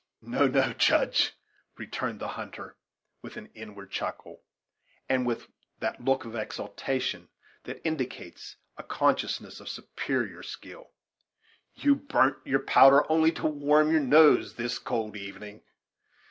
"No no Judge," returned the hunter, with an inward chuckle, and with that look of exultation that indicates a consciousness of superior skill, "you burnt your powder only to warm your nose this cold evening.